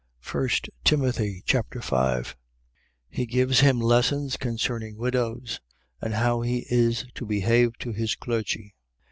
1 Timothy Chapter 5 He gives him lessons concerning widows, and how he is to behave to his clergy.